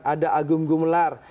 ada agung gumelar